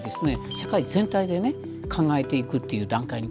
社会全体でね考えていくっていう段階にきているんだと。